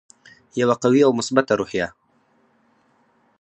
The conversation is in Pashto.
یوه قوي او مثبته روحیه.